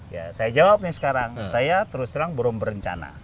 ya saya jawab nih sekarang saya terus terang belum berencana